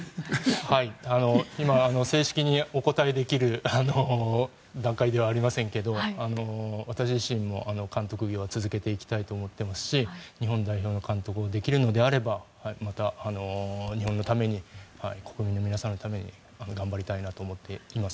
今、正式にお答えできる段階ではありませんが私自身も監督業は続けていきたいと思っていますし日本代表の監督をできるのであればまた日本のために国民の皆さんのために頑張りたいと思っています。